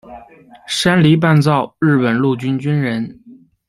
山梨半造日本陆军军人。